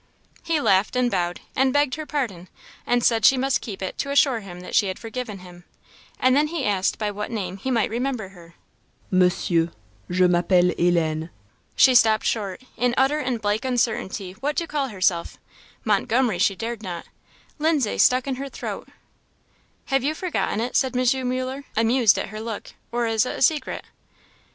He laughed, and bowed, and begged her pardon, and said she must keep it to assure him that she had forgiven him; and then he asked by what name he might remember her. "Monsieur, je m'appelle Ellen M " She stopped short, in utter and blank uncertainty what to call herself; Montgomery she dared not; Lindsay stuck in her throat, "Have you forgotten it?" said M. Muller, amused at her look, "or is it a secret?"